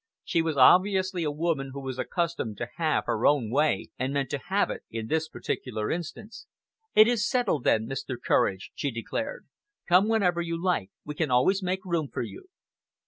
She was obviously a woman who was accustomed to have her own way, and meant to have it in this particular instance. "It is settled, then, Mr. Courage," she declared. "Come whenever you like. We can always make room for you."